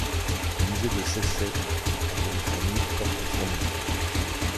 Le musée de Saisset, en Californie, porte son nom.